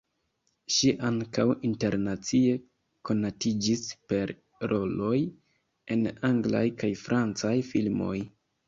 Ŝi ankaŭ internacie konatiĝis per roloj en anglaj kaj francaj filmoj.